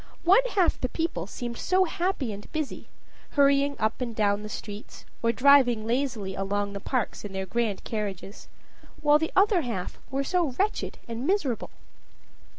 One half the people seemed so happy and busy hurrying up and down the full streets, or driving lazily along the parks in their grand carriages, while the other half were so wretched and miserable.